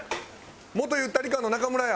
元ゆったり感の中村や。